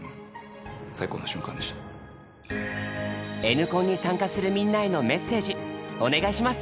「Ｎコン」に参加するみんなへのメッセージお願いします！